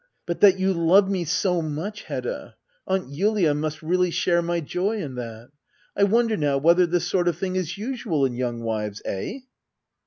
But that you love me so much,^ Hedda — Aunt Julia must really share my joy in that I I wonder, now, whether this sort of thing is usual in young wives ? Eh?